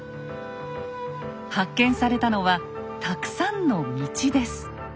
発見されたのはたくさんの「道」です。